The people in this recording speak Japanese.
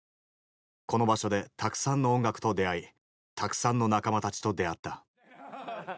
この場所でたくさんの音楽と出会いたくさんの仲間たちと出会った。